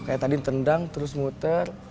kayak tadi tendang terus muter